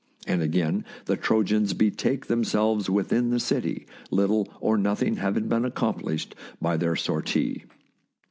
And again the Trojans betake themselves within the city, little or nothing having been accomplished by their sortie.